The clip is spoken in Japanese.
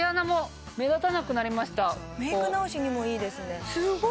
メイク直しにもいいですね。